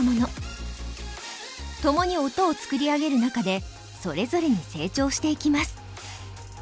共に音を作り上げる中でそれぞれに成長していきます。